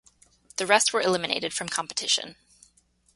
The rest were eliminated from competition.